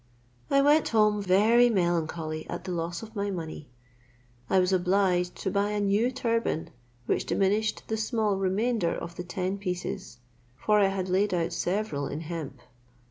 I went home very melancholy at the loss of my money. I was obliged to buy a new turban, which diminished the small remainder of the ten pieces; for I had laid out several in hemp.